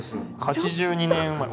８２年生まれ。